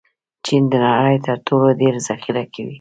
چین د نړۍ تر ټولو ډېر ذخیره کوي.